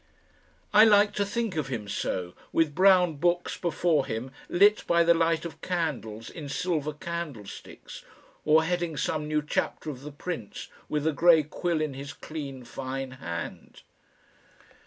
I like to think of him so, with brown books before him lit by the light of candles in silver candlesticks, or heading some new chapter of "The Prince," with a grey quill in his clean fine hand.